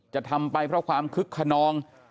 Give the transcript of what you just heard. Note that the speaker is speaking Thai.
จะทำไปเพราะความคึกขนอง